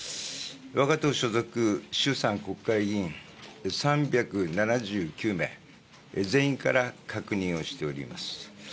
わが党所属衆参国会議員３７９名、全員から確認をしております。